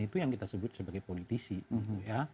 itu yang kita sebut sebagai politisi